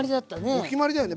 お決まりだよね。